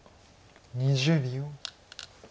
２０秒。